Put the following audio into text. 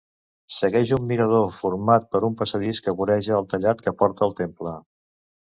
Segueix un mirador formant un passadís que voreja el tallat i que porta al temple.